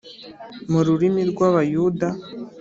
mu rurimi rw’Abayuda,